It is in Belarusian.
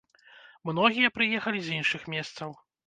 Многія прыехалі з іншых месцаў.